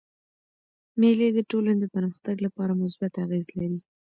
مېلې د ټولني د پرمختګ له پاره مثبت اغېز لري.